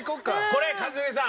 これ一茂さん